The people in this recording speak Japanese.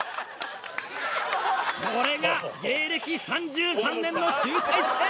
これが芸歴３３年の集大成！